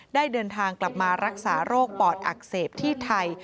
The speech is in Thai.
ได้เดินทางกลับมารักษาโรคปอดอักเสบที่ไทย